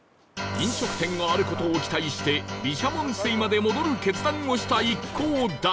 飲食店がある事を期待して毘沙門水まで戻る決断をした一行だが